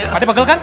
pada bagel kan